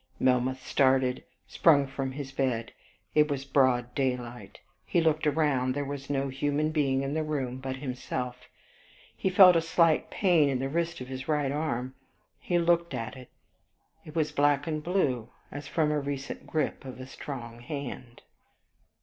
Melmoth started, sprung from his bed, it was broad daylight. He looked round, there was no human being in the room but himself. He felt a slight pain in the wrist of his right arm. He looked at it, it was black and blue, as from the recent gripe of a strong hand.